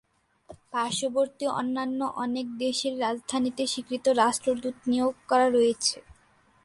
পার্শ্ববর্তী অন্যান্য অনেক দেশের রাজধানীতে স্বীকৃত রাষ্ট্রদূত নিয়োগ করা রয়েছে।